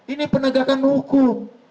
ini penegakan hukum